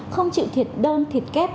không chịu thiệt đơn thiệt kép